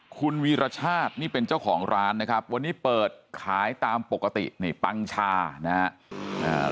คุณวีรชาตินี่เป็นเจ้าของร้านนะครับวันนี้เปิดขายตามปกตินี่ปังชานะครับ